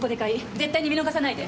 絶対に見逃さないで。